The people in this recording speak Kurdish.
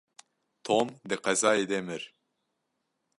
Tom di qezayê de mir.